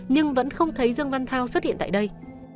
nhưng vẫn không thấy dương văn thao xuất hiện tại đây